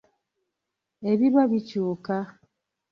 Ebirwa bikyuka.